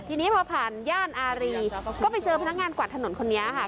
ทีนี้พอผ่านย่านอารีก็ไปเจอพนักงานกวาดถนนคนนี้ค่ะ